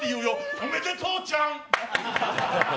おめでとうちゃん。